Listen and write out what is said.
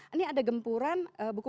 ini ada gempuran buku buku lain